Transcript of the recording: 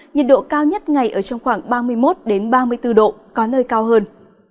nhiệt độ cao nhất ngày ở trong khoảng ba mươi một ba mươi bốn độ có nơi cao hơn